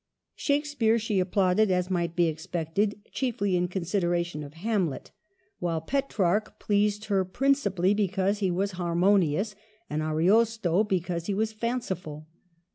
Shakespeare she applauded, as might be expected, chiefly in consideration of Hamlet ; while Petrarch pleased her principally because he was harmonious ; and Ariosto be cause he was fanciful.